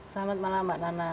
selamat malam mbak nana